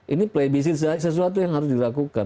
ini play basis sesuatu yang harus dilakukan